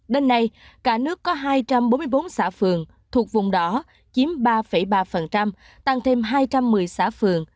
đến nay cả nước có hai trăm bốn mươi bốn xã phường thuộc vùng đỏ chiếm ba ba tăng thêm hai trăm một mươi xã phường